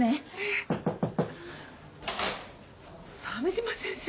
鮫島先生。